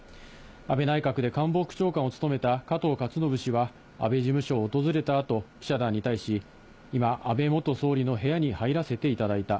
安倍内閣で官房副長官を務めた加藤勝信氏は安倍事務所を訪れたあと、記者団に対し、今、安倍元総理の部屋に入らせていただいた。